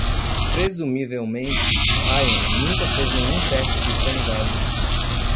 Presumivelmente, Ryan nunca fez nenhum teste de sanidade.